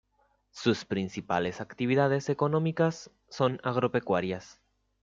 Sus principales actividades económicas son agropecuarias.